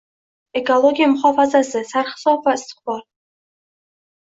Ekologiya muhofazasi: sarhisob va istiqbolng